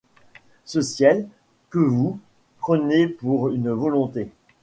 Ce ciel, que vous, prenez pour une volonté ?